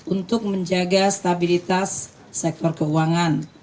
untuk menjaga stabilitas sektor keuangan